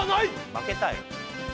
負けたよ。